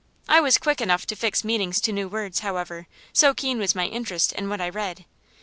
I was quick enough to fix meanings to new words, however, so keen was my interest in what I read.